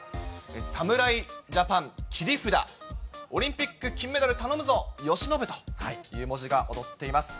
侍ジャパン切り札、オリンピック金メダル頼むぞ由伸という文字が踊っています。